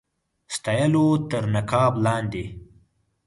ستایلو تر نقاب لاندي.